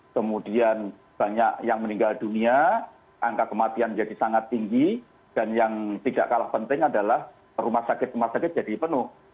kemudian banyak yang meninggal dunia angka kematian jadi sangat tinggi dan yang tidak kalah penting adalah rumah sakit rumah sakit jadi penuh